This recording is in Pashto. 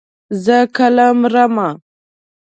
زه کله مرمه.